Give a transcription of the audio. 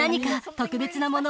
特別なもの？